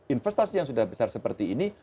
investasi yang sudah besar seperti ini